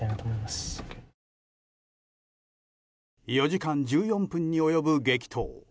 ４時間１４分に及ぶ激闘。